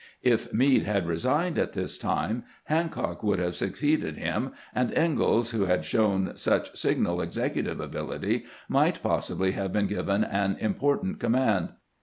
If Meade bad resigned at this time, Hancock would have succeeded him, and Ingalls, who had shown such signal executive ability, might possibly have been given an important command.